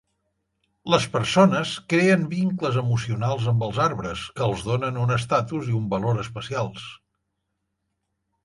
Les persones creen vincles emocionals amb els arbres, que els donen un estatus i un valor especials.